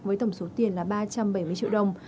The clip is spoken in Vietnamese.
với tổng số tiền là ba trăm bảy mươi triệu đồng